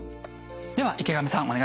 では池上さん